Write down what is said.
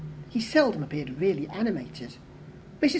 He seldom appeared really animated. Mrs.